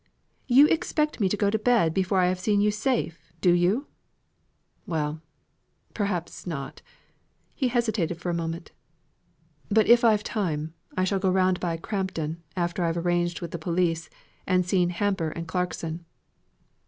"You expect me to go to bed before I have seen you safe, do you?" "Well, perhaps not." He hesitated for a moment. "But if I've time, I shall go round by Crampton, after I've arranged with the police and seen Hamper and Clarkson."